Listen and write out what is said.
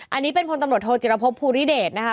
อันนี้เป็นพลตำรวจโทจิรพบภูริเดชนะคะ